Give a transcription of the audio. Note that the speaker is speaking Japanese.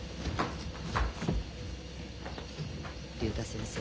竜太先生